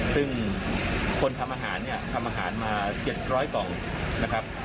ซึ่งคนทำอาหารเนี่ยทำอาหารมา๗๐๐กล่องนะครับ